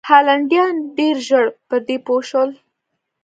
هالنډیان ډېر ژر پر دې پوه شول.